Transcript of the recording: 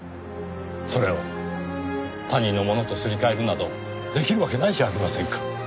それを他人のものとすり替えるなどできるわけないじゃありませんか。